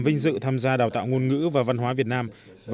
vinh dự tham gia đào tạo ngôn ngữ và văn hóa việt nam